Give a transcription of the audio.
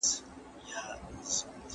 ایا تاسي د خبرونو متن په خپله لیکئ؟